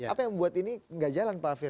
apa yang membuat ini gak jalan pak hafir